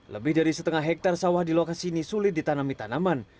lebih dari setengah hektare sawah di lokasi ini sulit ditanami tanaman